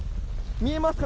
見えますか？